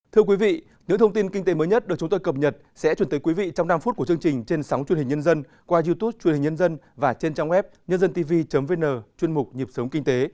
thưa quý vị những thông tin kinh tế mới nhất được chúng tôi cập nhật sẽ chuyển tới quý vị trong năm phút của chương trình trên sóng truyền hình nhân dân qua youtube truyền hình nhân dân và trên trang web nhândântv vn chuyên mục nhịp sống kinh tế